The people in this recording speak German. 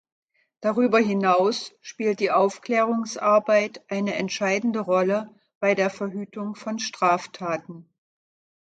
Darüber hinaus spielt die Aufklärungsarbeit eine entscheidende Rolle bei der Verhütung von Straftaten.